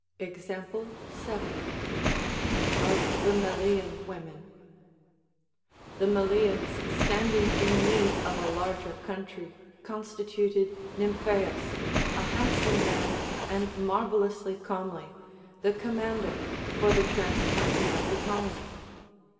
Example 7. Oj the Melicm Women. The Melians standing in need of a larger country con stituted Nymphaeus, a handsome man and marvellously comely, the commander for the transplanting of the colony.